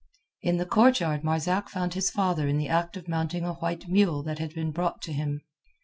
In the courtyard Marzak found his father in the act of mounting a white mule that had been brought him.